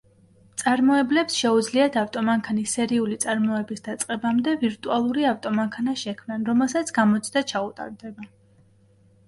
მწარმოებლებს შეუძლიათ ავტომანქანის სერიული წარმოების დაწყებამდე ვირტუალური ავტომანქანა შექმნან, რომელსაც გამოცდა ჩაუტარდება.